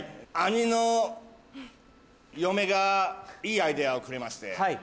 兄の嫁がいいアイデアをくれまして。